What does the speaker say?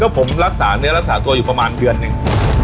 ผมรักษาเนื้อรักษาตัวอยู่ประมาณเดือนหนึ่ง